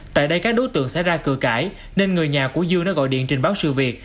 tại đây các đối tượng sẽ ra cửa cãi nên người nhà của dương đã gọi điện trình báo sự việc